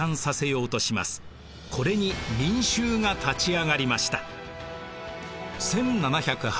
これに民衆が立ち上がりました。